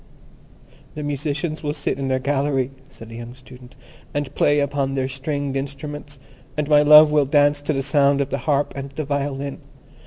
"The musicians will sit in their gallery," said the young Student, "and play upon their stringed instruments, and my love will dance to the sound of the harp and the violin.